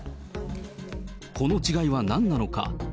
この違いはなんなのか。